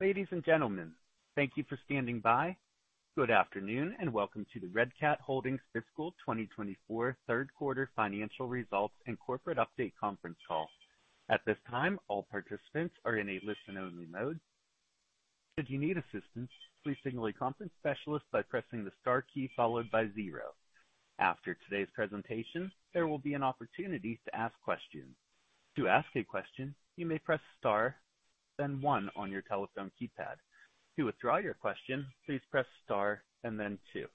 Ladies and gentlemen, thank you for standing by. Good afternoon and welcome to the Red Cat Holdings Fiscal 2024 Third Quarter Financial Results and Corporate Update Conference Call. At this time, all participants are in a listen-only mode. Should you need assistance, please signal a conference specialist by pressing the star key followed by zero. After today's presentation, there will be an opportunity to ask questions. To ask a question, you may press star, then one on your telephone keypad. To withdraw your question, please press star and then two.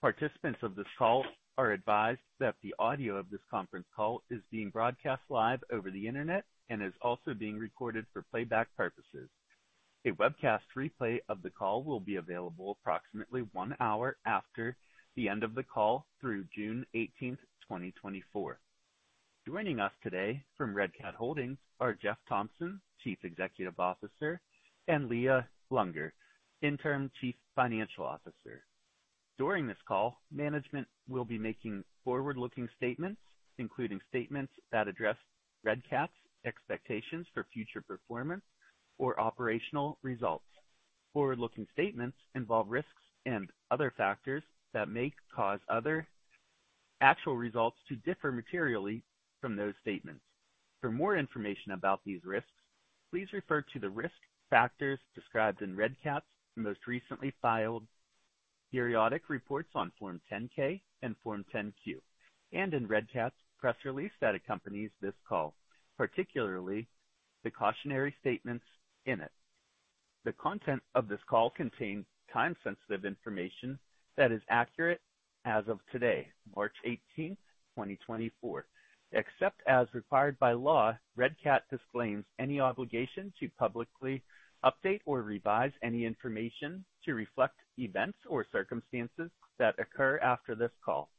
Participants of this call are advised that the audio of this conference call is being broadcast live over the internet and is also being recorded for playback purposes. A webcast replay of the call will be available approximately one hour after the end of the call through June 18, 2024. Joining us today from Red Cat Holdings are Jeff Thompson, Chief Executive Officer, and Leah Lunger, Interim Chief Financial Officer. During this call, management will be making forward-looking statements, including statements that address Red Cat's expectations for future performance or operational results. Forward-looking statements involve risks and other factors that may cause other actual results to differ materially from those statements. For more information about these risks, please refer to the risk factors described in Red Cat's most recently filed periodic reports on Form 10-K and Form 10-Q, and in Red Cat's press release that accompanies this call, particularly the cautionary statements in it. The content of this call contains time-sensitive information that is accurate as of today, March 18, 2024. Except as required by law, Red Cat disclaims any obligation to publicly update or revise any information to reflect events or circumstances that occur after this call.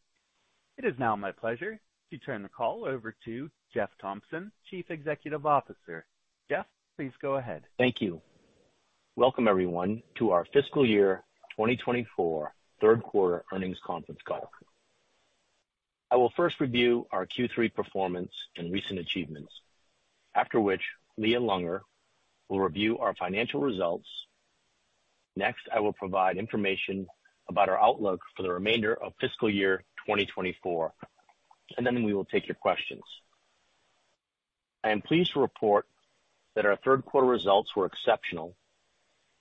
It is now my pleasure to turn the call over to Jeff Thompson, Chief Executive Officer. Jeff, please go ahead. Thank you. Welcome, everyone, to our Fiscal Year 2024 Third Quarter Earnings Conference Call. I will first review our Q3 performance and recent achievements, after which Leah Lunger will review our financial results. Next, I will provide information about our outlook for the remainder of Fiscal Year 2024, and then we will take your questions. I am pleased to report that our third quarter results were exceptional,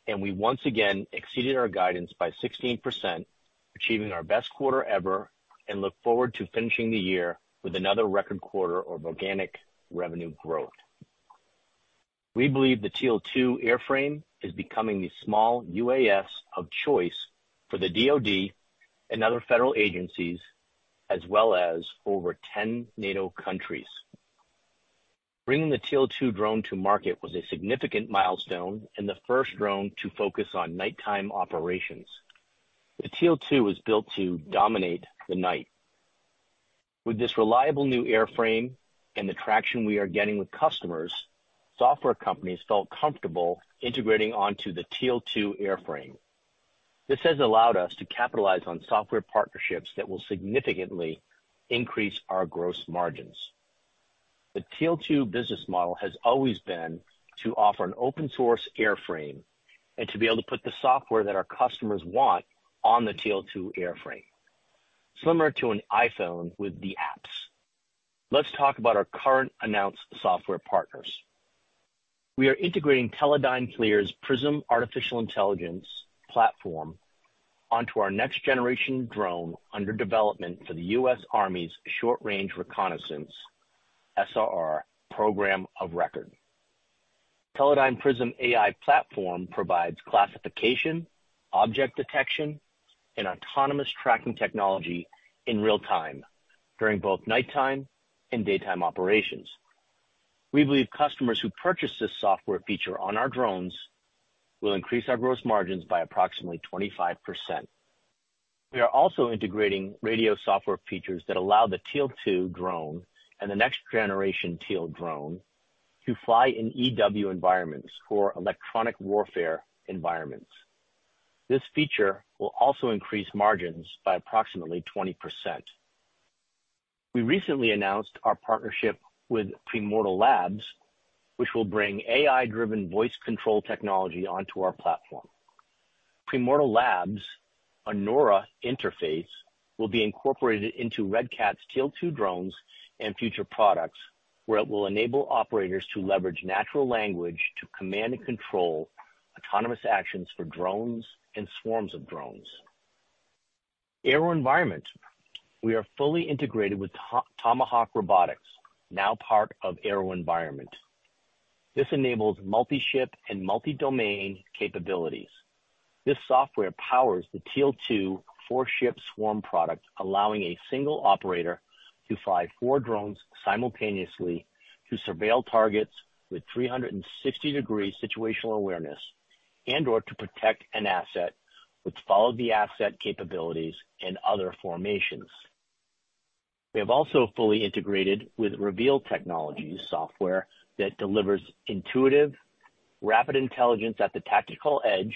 and we once again exceeded our guidance by 16%, achieving our best quarter ever, and look forward to finishing the year with another record quarter of organic revenue growth. We believe the Teal 2 airframe is becoming the small UAS of choice for the DOD and other federal agencies, as well as over 10 NATO countries. Bringing the Teal 2 drone to market was a significant milestone and the first drone to focus on nighttime operations. The Teal 2 was built to dominate the night. With this reliable new airframe and the traction we are getting with customers, software companies felt comfortable integrating onto the Teal 2 airframe. This has allowed us to capitalize on software partnerships that will significantly increase our gross margins. The Teal 2 business model has always been to offer an open-source airframe and to be able to put the software that our customers want on the Teal 2 airframe, similar to an iPhone with the apps. Let's talk about our current announced software partners. We are integrating Teledyne FLIR's Prism Artificial Intelligence platform onto our next-generation drone under development for the U.S. Army's Short Range Reconnaissance (SRR) Program of Record. Teledyne FLIR Prism AI platform provides classification, object detection, and autonomous tracking technology in real time during both nighttime and daytime operations. We believe customers who purchase this software feature on our drones will increase our gross margins by approximately 25%. We are also integrating radio software features that allow the Teal 2 drone and the next-generation Teal drone to fly in EW environments or electronic warfare environments. This feature will also increase margins by approximately 20%. We recently announced our partnership with Primordial Labs, which will bring AI-driven voice control technology onto our platform. Primordial Labs' Anura interface will be incorporated into Red Cat's Teal 2 drones and future products, where it will enable operators to leverage natural language to command and control autonomous actions for drones and swarms of drones. AeroVironment: we are fully integrated with Tomahawk Robotics, now part of AeroVironment. This enables multi-ship and multi-domain capabilities. This software powers the Teal 2 4-Ship swarm product, allowing a single operator to fly four drones simultaneously to surveil targets with 360-degree situational awareness and/or to protect an asset with follow-the-asset capabilities and other formations. We have also fully integrated with Reveal Technology software that delivers intuitive, rapid intelligence at the tactical edge,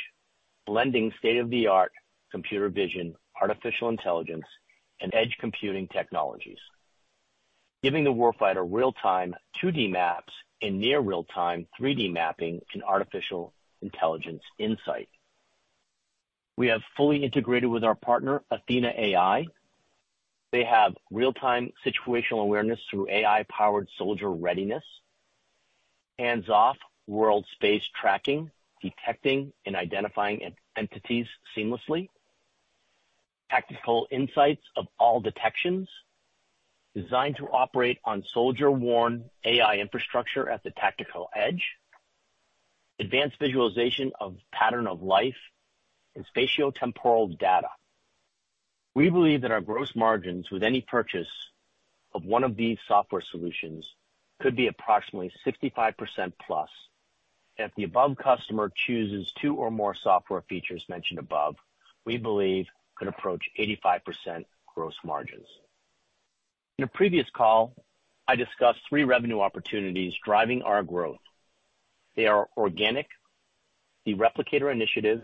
blending state-of-the-art computer vision, artificial intelligence, and edge computing technologies, giving the warfighter real-time 2D maps and near-real-time 3D mapping and artificial intelligence insight. We have fully integrated with our partner, Athena AI. They have real-time situational awareness through AI-powered soldier readiness, hands-off world-space tracking, detecting and identifying entities seamlessly, tactical insights of all detections designed to operate on soldier-worn AI infrastructure at the tactical edge, advanced visualization of pattern of life, and spatiotemporal data. We believe that our gross margins with any purchase of one of these software solutions could be approximately 65%+. If the above customer chooses two or more software features mentioned above, we believe could approach 85% gross margins. In a previous call, I discussed three revenue opportunities driving our growth. They are Organic, the Replicator Initiative,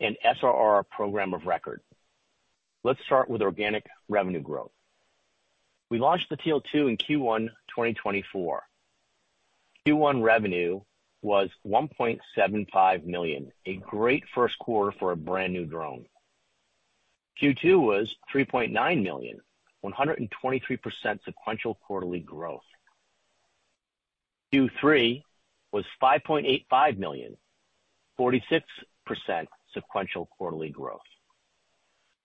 and SRR Program of Record. Let's start with Organic revenue growth. We launched the Teal 2 in Q1 2024. Q1 revenue was $1.75 million, a great first quarter for a brand new drone. Q2 was $3.9 million, 123% sequential quarterly growth. Q3 was $5.85 million, 46% sequential quarterly growth.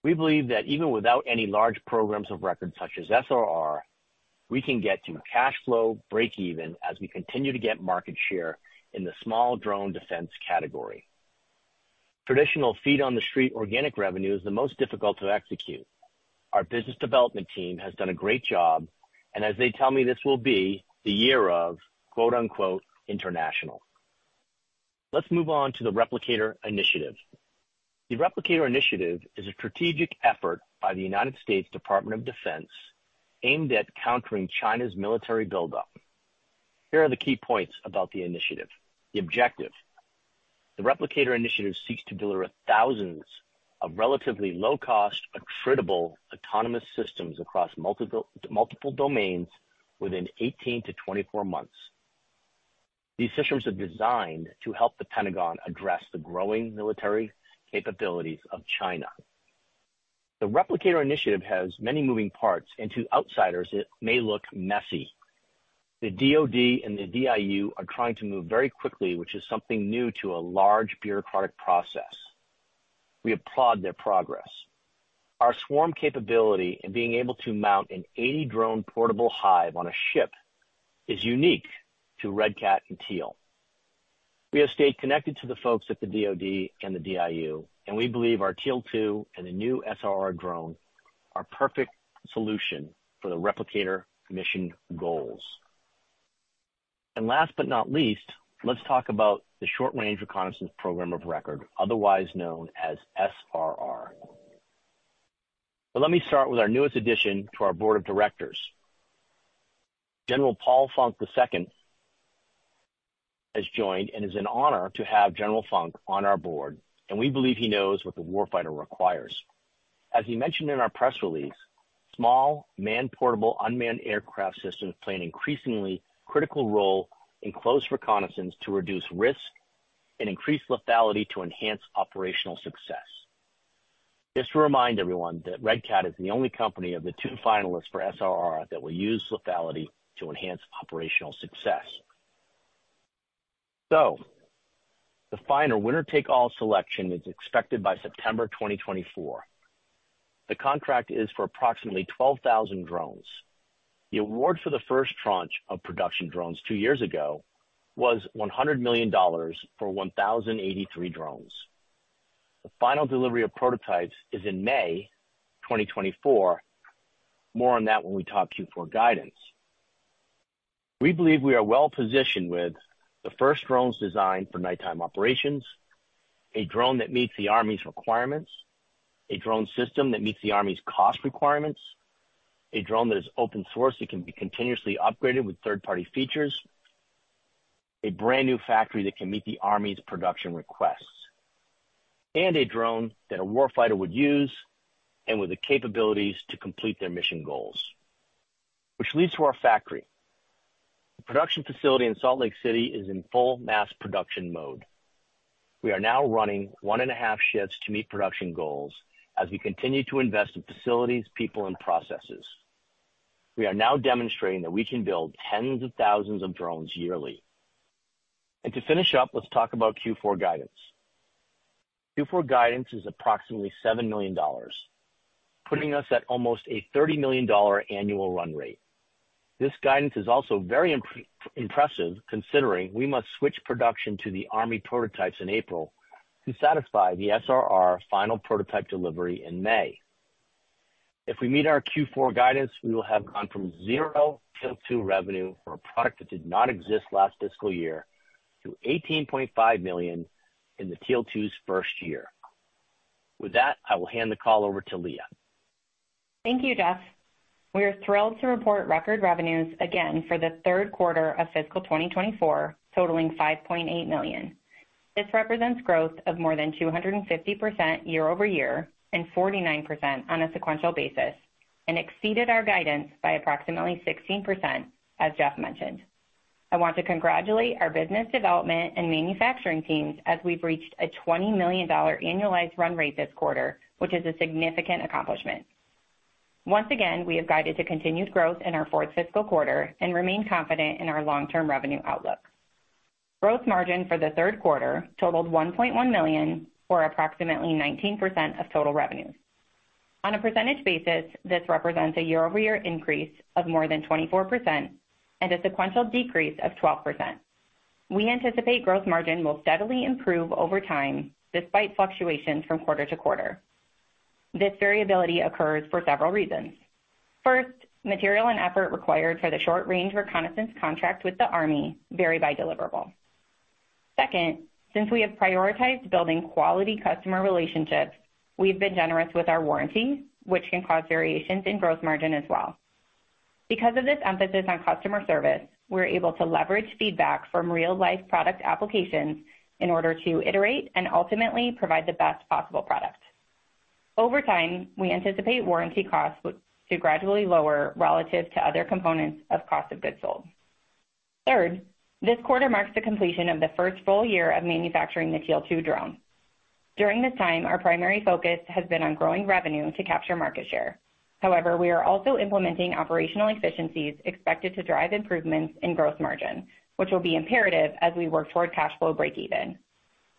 We believe that even without any large programs of record such as SRR, we can get to cash flow break-even as we continue to get market share in the small drone defense category. Traditional feet-on-the-street organic revenue is the most difficult to execute. Our business development team has done a great job, and as they tell me, this will be the year of "international." Let's move on to the Replicator Initiative. The Replicator Initiative is a strategic effort by the United States Department of Defense aimed at countering China's military buildup. Here are the key points about the initiative. The objective: the Replicator Initiative seeks to deliver thousands of relatively low-cost, attritable autonomous systems across multiple domains within 18-24 months. These systems are designed to help the Pentagon address the growing military capabilities of China. The Replicator Initiative has many moving parts, and to outsiders, it may look messy. The DOD and the DIU are trying to move very quickly, which is something new to a large bureaucratic process. We applaud their progress. Our swarm capability and being able to mount an 80-drone portable hive on a ship is unique to Red Cat and Teal. We have stayed connected to the folks at the DOD and the DIU, and we believe our Teal 2 and the new SRR drone are a perfect solution for the Replicator mission goals. Last but not least, let's talk about the Short Range Reconnaissance Program of Record, otherwise known as SRR. Let me start with our newest addition to our board of directors. General Paul Funk II has joined, and it is an honor to have General Funk on our board, and we believe he knows what the warfighter requires. As he mentioned in our press release, small man-portable unmanned aircraft systems play an increasingly critical role in close reconnaissance to reduce risk and increase lethality to enhance operational success. Just to remind everyone that Red Cat is the only company of the two finalists for SRR that will use lethality to enhance operational success. The final winner-take-all selection is expected by September 2024. The contract is for approximately 12,000 drones. The award for the first tranche of production drones two years ago was $100 million for 1,083 drones. The final delivery of prototypes is in May 2024. More on that when we talk Q4 guidance. We believe we are well positioned with the first drones designed for nighttime operations, a drone that meets the Army's requirements, a drone system that meets the Army's cost requirements, a drone that is open-source that can be continuously upgraded with third-party features, a brand new factory that can meet the Army's production requests, and a drone that a warfighter would use and with the capabilities to complete their mission goals. Which leads to our factory. The production facility in Salt Lake City is in full mass production mode. We are now running 1.5 shifts to meet production goals as we continue to invest in facilities, people, and processes. We are now demonstrating that we can build tens of thousands of drones yearly. To finish up, let's talk about Q4 guidance. Q4 guidance is approximately $7 million, putting us at almost a $30 million annual run rate. This guidance is also very impressive considering we must switch production to the Army prototypes in April to satisfy the SRR final prototype delivery in May. If we meet our Q4 guidance, we will have gone from zero Teal 2 revenue for a product that did not exist last fiscal year to $18.5 million in the Teal 2's first year. With that, I will hand the call over to Leah. Thank you, Jeff. We are thrilled to report record revenues again for the third quarter of Fiscal 2024, totaling $5.8 million. This represents growth of more than 250% year-over-year and 49% on a sequential basis and exceeded our guidance by approximately 16%, as Jeff mentioned. I want to congratulate our business development and manufacturing teams as we've reached a $20 million annualized run rate this quarter, which is a significant accomplishment. Once again, we have guided to continued growth in our fourth fiscal quarter and remain confident in our long-term revenue outlook. Gross margin for the third quarter totaled $1.1 million, or approximately 19% of total revenue. On a percentage basis, this represents a year-over-year increase of more than 24% and a sequential decrease of 12%. We anticipate gross margin will steadily improve over time despite fluctuations from quarter to quarter. This variability occurs for several reasons. First, material and effort required for the short-range reconnaissance contract with the Army vary by deliverable. Second, since we have prioritized building quality customer relationships, we've been generous with our warranty, which can cause variations in growth margin as well. Because of this emphasis on customer service, we're able to leverage feedback from real-life product applications in order to iterate and ultimately provide the best possible product. Over time, we anticipate warranty costs to gradually lower relative to other components of cost of goods sold. Third, this quarter marks the completion of the first full year of manufacturing the Teal 2 drone. During this time, our primary focus has been on growing revenue to capture market share. However, we are also implementing operational efficiencies expected to drive improvements in growth margin, which will be imperative as we work toward cash flow break-even.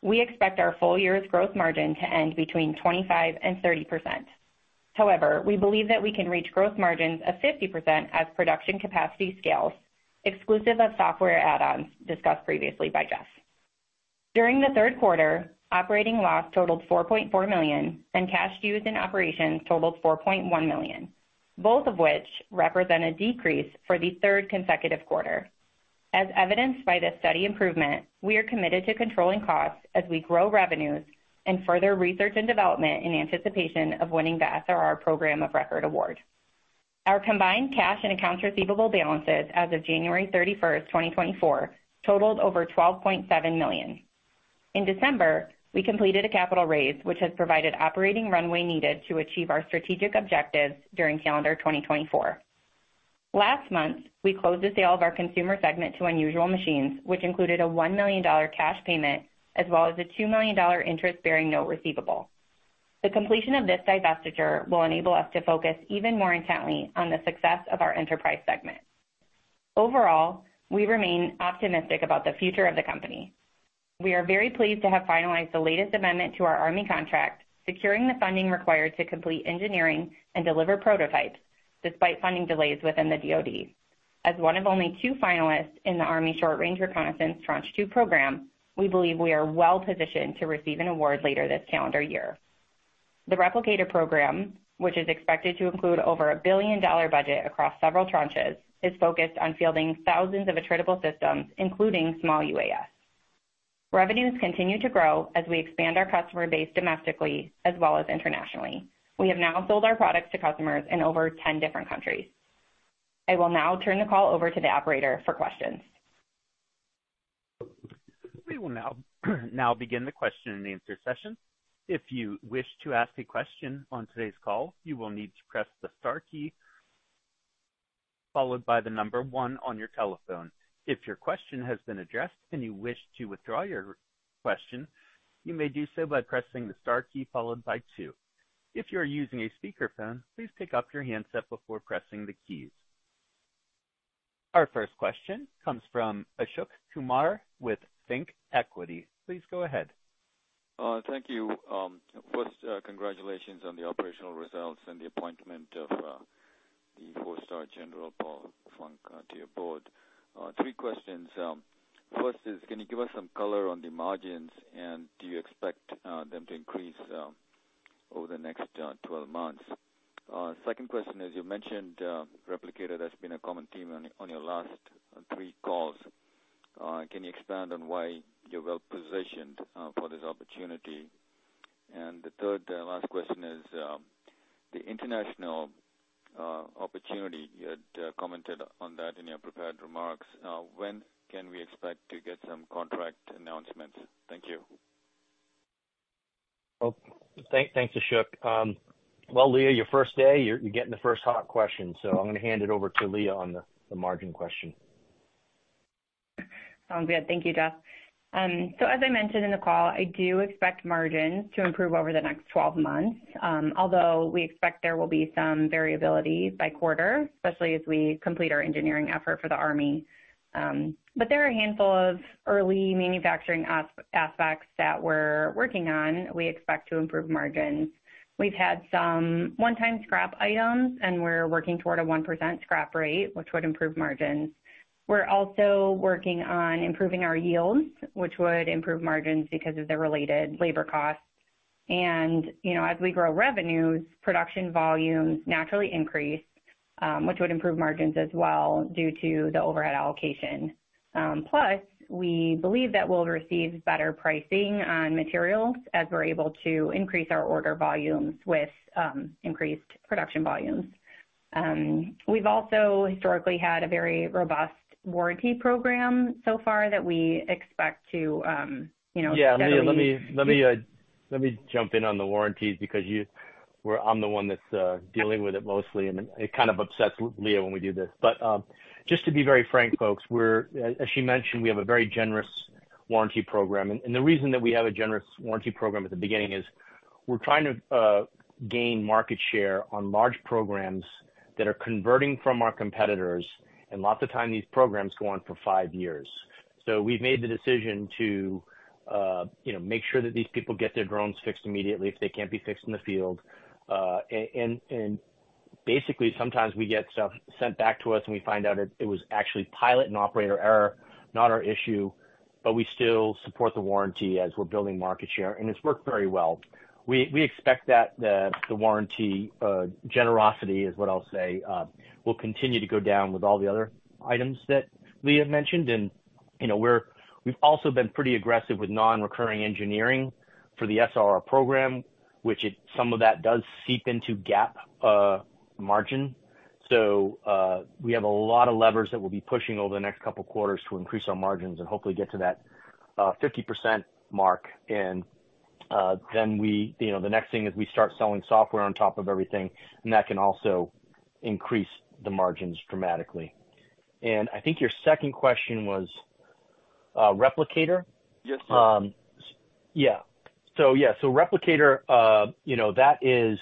We expect our full year's gross margin to end between 25%-30%. However, we believe that we can reach gross margins of 50% as production capacity scales exclusive of software add-ons discussed previously by Jeff. During the third quarter, operating loss totaled $4.4 million, and cash used in operations totaled $4.1 million, both of which represent a decrease for the third consecutive quarter. As evidenced by this steady improvement, we are committed to controlling costs as we grow revenues and further research and development in anticipation of winning the SRR Program of Record award. Our combined cash and accounts receivable balances as of January 31st, 2024, totaled over $12.7 million. In December, we completed a capital raise, which has provided operating runway needed to achieve our strategic objectives during calendar 2024. Last month, we closed the sale of our consumer segment to Unusual Machines, which included a $1 million cash payment as well as a $2 million interest-bearing note receivable. The completion of this divestiture will enable us to focus even more intently on the success of our enterprise segment. Overall, we remain optimistic about the future of the company. We are very pleased to have finalized the latest amendment to our Army contract, securing the funding required to complete engineering and deliver prototypes despite funding delays within the DOD. As one of only two finalists in the Army Short Range Reconnaissance Tranche 2 program, we believe we are well positioned to receive an award later this calendar year. The Replicator Program, which is expected to include over a billion-dollar budget across several tranches, is focused on fielding thousands of attritable systems, including small UAS. Revenues continue to grow as we expand our customer base domestically as well as internationally. We have now sold our products to customers in over 10 different countries. I will now turn the call over to the operator for questions. We will now begin the question and answer session. If you wish to ask a question on today's call, you will need to press the star key followed by the number one on your telephone. If your question has been addressed and you wish to withdraw your question, you may do so by pressing the star key followed by two. If you are using a speakerphone, please pick up your handset before pressing the keys. Our first question comes from Ashok Kumar with ThinkEquity. Please go ahead. Thank you. First, congratulations on the operational results and the appointment of the four-star General Paul Funk II to your board. Three questions. First is, can you give us some color on the margins, and do you expect them to increase over the next 12 months? Second question is, you mentioned Replicator. That's been a common theme on your last three calls. Can you expand on why you're well positioned for this opportunity? And the third and last question is the international opportunity. You had commented on that in your prepared remarks. When can we expect to get some contract announcements? Thank you. Thanks, Ashok. Well, Leah, your first day, you're getting the first hot question, so I'm going to hand it over to Leah on the margin question. Sounds good. Thank you, Jeff. So as I mentioned in the call, I do expect margins to improve over the next 12 months, although we expect there will be some variability by quarter, especially as we complete our engineering effort for the Army. But there are a handful of early manufacturing aspects that we're working on. We expect to improve margins. We've had some one-time scrap items, and we're working toward a 1% scrap rate, which would improve margins. We're also working on improving our yields, which would improve margins because of the related labor costs. And as we grow revenues, production volumes naturally increase, which would improve margins as well due to the overhead allocation. Plus, we believe that we'll receive better pricing on materials as we're able to increase our order volumes with increased production volumes. We've also historically had a very robust warranty program so far that we expect to step up. Yeah, Leah, let me jump in on the warranties because I'm the one that's dealing with it mostly, and it kind of upsets Leah when we do this. But just to be very frank, folks, as she mentioned, we have a very generous warranty program. And the reason that we have a generous warranty program at the beginning is we're trying to gain market share on large programs that are converting from our competitors, and lots of times these programs go on for five years. So we've made the decision to make sure that these people get their drones fixed immediately if they can't be fixed in the field. And basically, sometimes we get stuff sent back to us, and we find out it was actually pilot and operator error, not our issue, but we still support the warranty as we're building market share, and it's worked very well. We expect that the warranty generosity, is what I'll say, will continue to go down with all the other items that Leah mentioned. And we've also been pretty aggressive with non-recurring engineering for the SRR program, which some of that does seep into gross margin. So we have a lot of levers that we'll be pushing over the next couple of quarters to increase our margins and hopefully get to that 50% mark. And then the next thing is we start selling software on top of everything, and that can also increase the margins dramatically. And I think your second question was Replicator? Yes, sir. Yeah. So yeah, so Replicator, that is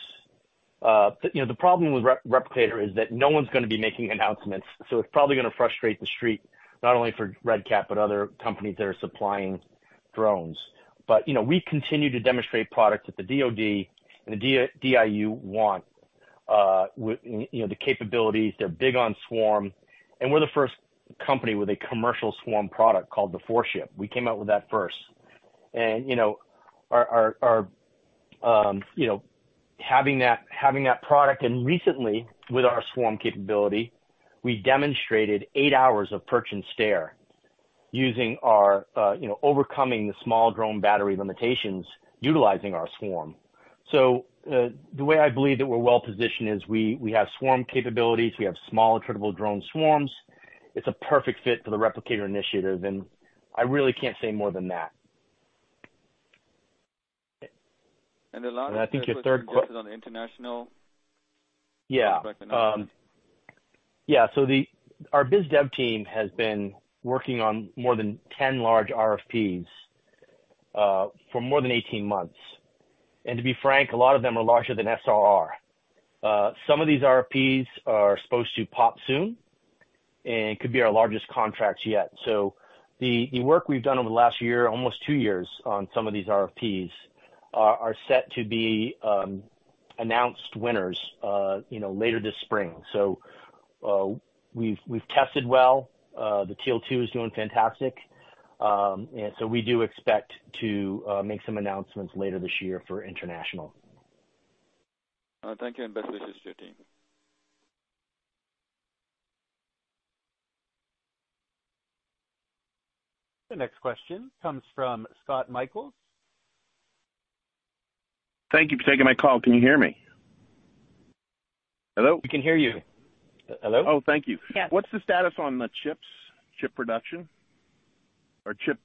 the problem with Replicator is that no one's going to be making announcements, so it's probably going to frustrate the street, not only for Red Cat but other companies that are supplying drones. But we continue to demonstrate products that the DOD and the DIU want, the capabilities. They're big on swarm. And we're the first company with a commercial swarm product called the 4-Ship. We came out with that first. And having that product and recently, with our swarm capability, we demonstrated 8 hours of perch and stare using our overcoming the small drone battery limitations utilizing our swarm. So the way I believe that we're well positioned is we have swarm capabilities. We have small attritable drone swarms. It's a perfect fit for the Replicator Initiative, and I really can't say more than that. A lot of this focuses on the international. Yeah. Yeah. So our BizDev team has been working on more than 10 large RFPs for more than 18 months. And to be frank, a lot of them are larger than SRR. Some of these RFPs are supposed to pop soon and could be our largest contracts yet. So the work we've done over the last year, almost two years on some of these RFPs, are set to be announced winners later this spring. So we've tested well. The Teal 2 is doing fantastic. And so we do expect to make some announcements later this year for international. Thank you and best wishes to your team. The next question comes from Scott Buck. Thank you for taking my call. Can you hear me? Hello? We can hear you. Hello? Oh, thank you. What's the status on the chip production or chip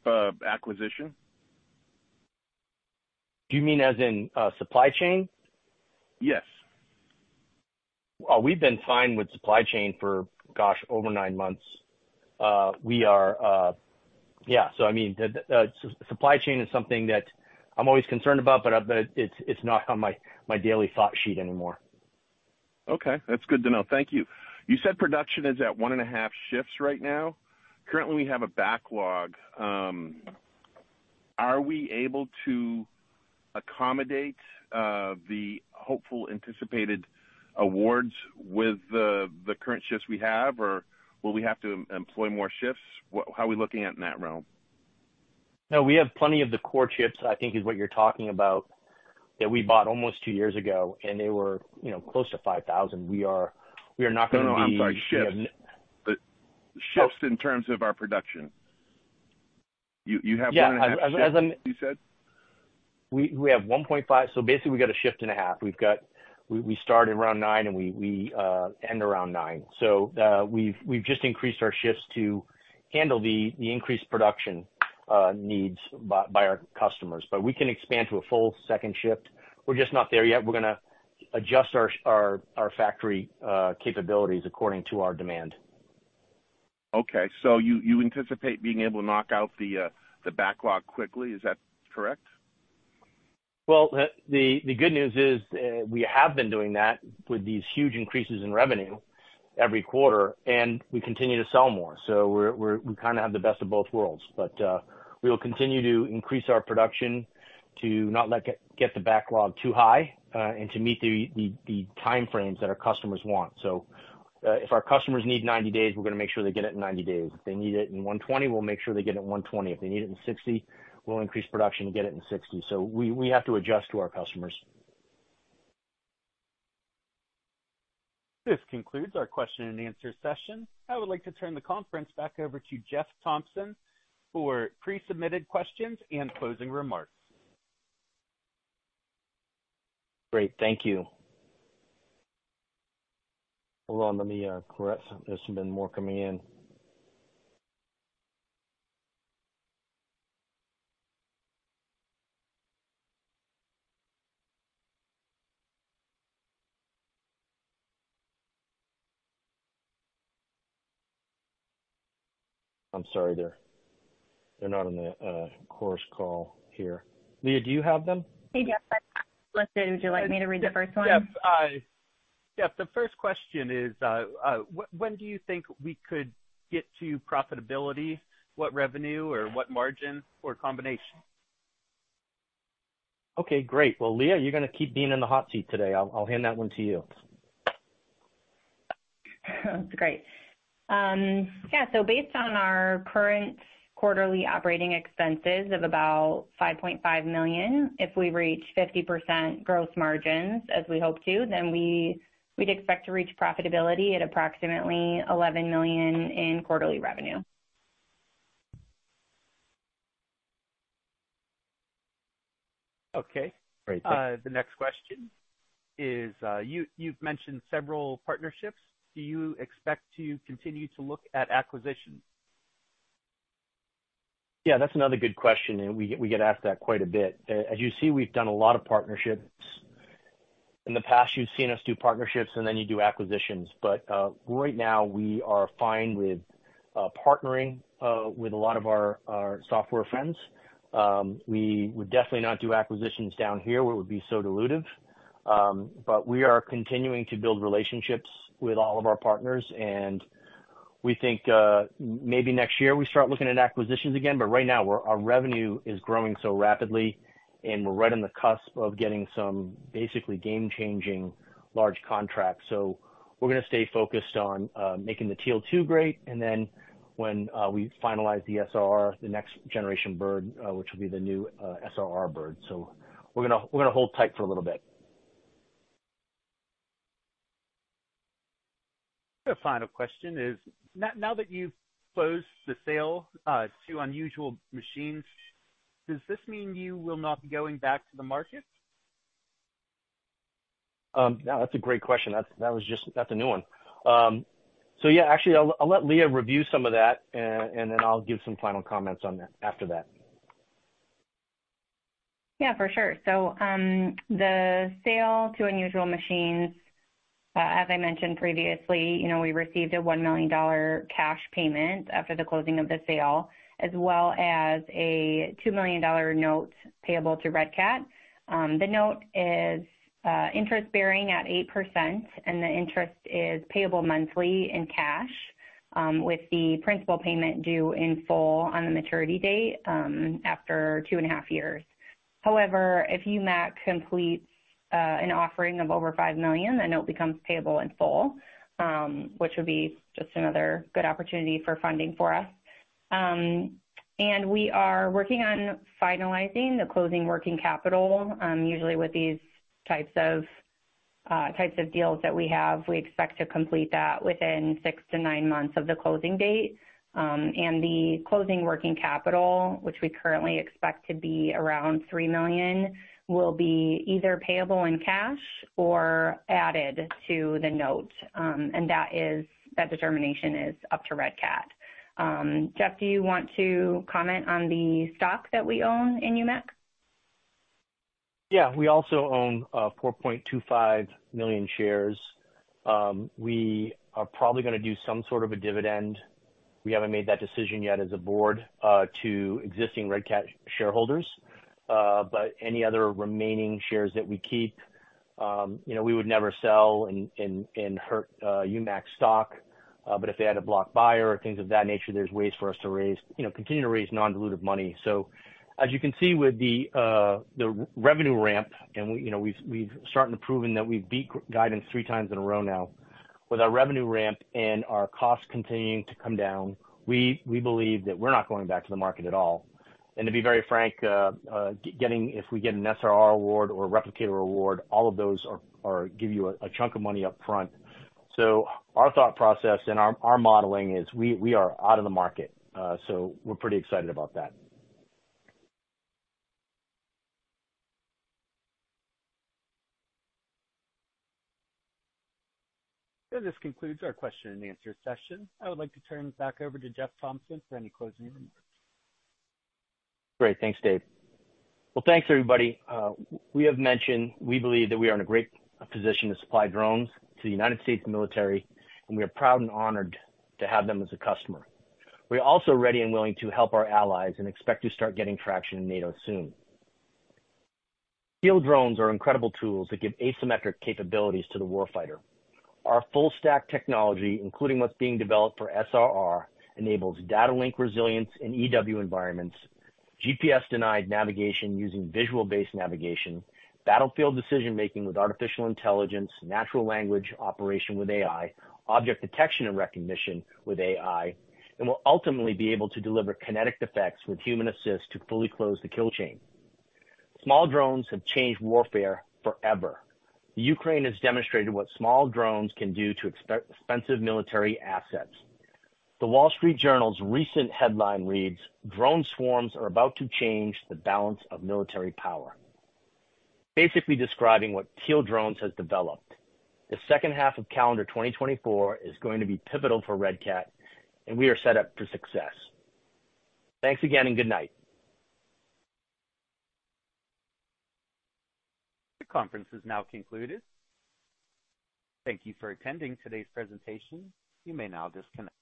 acquisition? Do you mean as in supply chain? Yes. Oh, we've been fine with supply chain for, gosh, over nine months. Yeah. So I mean, supply chain is something that I'm always concerned about, but it's not on my daily thought sheet anymore. Okay. That's good to know. Thank you. You said production is at 1.5 shifts right now. Currently, we have a backlog. Are we able to accommodate the hopeful anticipated awards with the current shifts we have, or will we have to employ more shifts? How are we looking at in that realm? No, we have plenty of the core chips, I think, is what you're talking about, that we bought almost two years ago, and they were close to 5,000. We are not going to be. No, no, I'm sorry. Shifts. But shifts in terms of our production. You have 1.5, you said? Yeah. As I mentioned, we have 1.5, so basically, we got a shift and a half. We started around 9:00 A.M., and we end around 9:00 P.M. So we've just increased our shifts to handle the increased production needs by our customers. But we can expand to a full second shift. We're just not there yet. We're going to adjust our factory capabilities according to our demand. Okay. So you anticipate being able to knock out the backlog quickly. Is that correct? Well, the good news is we have been doing that with these huge increases in revenue every quarter, and we continue to sell more. So we kind of have the best of both worlds. But we will continue to increase our production to not get the backlog too high and to meet the timeframes that our customers want. So if our customers need 90 days, we're going to make sure they get it in 90 days. If they need it in 120, we'll make sure they get it in 120. If they need it in 60, we'll increase production to get it in 60. So we have to adjust to our customers. This concludes our question and answer session. I would like to turn the conference back over to Jeff Thompson for pre-submitted questions and closing remarks. Great. Thank you. Hold on. Let me correct. There's been more coming in. I'm sorry. They're not on the conference call here. Leah, do you have them? Hey, Jeff. I'm listening. Would you like me to read the first one? Yep. Yep. The first question is, when do you think we could get to profitability? What revenue or what margin or combination? Okay. Great. Well, Leah, you're going to keep being in the hot seat today. I'll hand that one to you. That's great. Yeah. So based on our current quarterly operating expenses of about $5.5 million, if we reach 50% gross margins as we hope to, then we'd expect to reach profitability at approximately $11 million in quarterly revenue. Okay. Great. The next question is, you've mentioned several partnerships. Do you expect to continue to look at acquisitions? Yeah. That's another good question, and we get asked that quite a bit. As you see, we've done a lot of partnerships. In the past, you've seen us do partnerships, and then you do acquisitions. But right now, we are fine with partnering with a lot of our software friends. We would definitely not do acquisitions down here. It would be so dilutive. But we are continuing to build relationships with all of our partners. And we think maybe next year we start looking at acquisitions again. But right now, our revenue is growing so rapidly, and we're right on the cusp of getting some basically game-changing large contracts. So we're going to stay focused on making the Teal 2 great, and then when we finalize the SRR, the next generation bird, which will be the new SRR bird. So we're going to hold tight for a little bit. The final question is, now that you've closed the sale to Unusual Machines, does this mean you will not be going back to the market? Now, that's a great question. That's a new one. So yeah, actually, I'll let Leah review some of that, and then I'll give some final comments on that after that. Yeah, for sure. So the sale to Unusual Machines, as I mentioned previously, we received a $1 million cash payment after the closing of the sale, as well as a $2 million note payable to Red Cat. The note is interest-bearing at 8%, and the interest is payable monthly in cash with the principal payment due in full on the maturity date after two and a half years. However, if UMAC completes an offering of over 5 million, the note becomes payable in full, which would be just another good opportunity for funding for us. We are working on finalizing the closing working capital. Usually, with these types of deals that we have, we expect to complete that within six to nine months of the closing date. The closing working capital, which we currently expect to be around $3 million, will be either payable in cash or added to the note. That determination is up to Red Cat. Jeff, do you want to comment on the stock that we own in UMAC? Yeah. We also own 4.25 million shares. We are probably going to do some sort of a dividend. We haven't made that decision yet as a board to existing Red Cat shareholders. But any other remaining shares that we keep, we would never sell and hurt UMAC stock. But if they had a block buyer or things of that nature, there's ways for us to continue to raise non-dilutive money. So as you can see with the revenue ramp, and we've started proving that we've beat guidance three times in a row now, with our revenue ramp and our costs continuing to come down, we believe that we're not going back to the market at all. And to be very frank, if we get an SRR award or a Replicator award, all of those give you a chunk of money upfront. Our thought process and our modeling is we are out of the market. We're pretty excited about that. This concludes our question and answer session. I would like to turn back over to Jeff Thompson for any closing remarks. Great. Thanks, Dave. Well, thanks, everybody. We have mentioned we believe that we are in a great position to supply drones to the United States military, and we are proud and honored to have them as a customer. We are also ready and willing to help our allies and expect to start getting traction in NATO soon. Field drones are incredible tools that give asymmetric capabilities to the warfighter. Our full-stack technology, including what's being developed for SRR, enables data link resilience in EW environments, GPS-denied navigation using visual-based navigation, battlefield decision-making with artificial intelligence, natural language operation with AI, object detection and recognition with AI, and will ultimately be able to deliver kinetic effects with human assist to fully close the kill chain. Small drones have changed warfare forever. Ukraine has demonstrated what small drones can do to expensive military assets. The Wall Street Journal's recent headline reads, "Drone swarms are about to change the balance of military power," basically describing what Teal Drones have developed. The second half of calendar 2024 is going to be pivotal for Red Cat, and we are set up for success. Thanks again, and good night. The conference is now concluded. Thank you for attending today's presentation. You may now disconnect.